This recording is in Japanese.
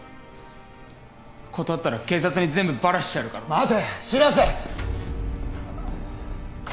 断ったら警察に全部バラしてやるからな待て白瀬！